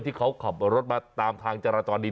ที่เขาขับรถมาตามทางจราจรดี